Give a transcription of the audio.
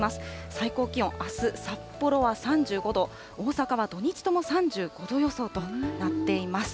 最高気温、あす札幌は３５度、大阪は土日とも３５度予想となっています。